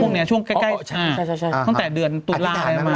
ช่วงนี้ช่วงใกล้ตั้งแต่เดือนตุลามา